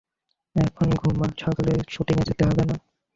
এখন ঘুমা, সকালে শুটিংয়ে যেতে হবে না?